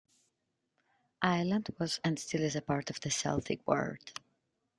Ireland was and still is a part of the celtic world.